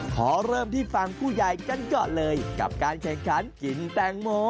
ขอเริ่มที่ฝั่งผู้ใหญ่กันก่อนเลยกับการแข่งขันกินแตงโม